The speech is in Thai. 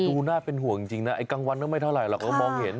ดูน่าเป็นห่วงจริงนะไอ้กลางวันก็ไม่เท่าไหร่เราก็มองเห็น